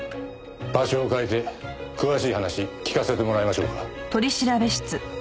場所を変えて詳しい話聞かせてもらいましょうか。